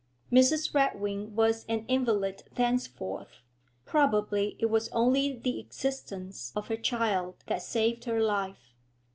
Mrs. Redwing was an invalid thenceforth; probably it was only the existence of her child that saved her life.